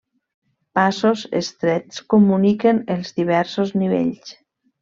Passos estrets comuniquen els diversos nivells.